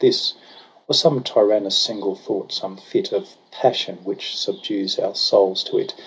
This, or some tyrannous single thought, some fit Of passion, which subdues our souls to it.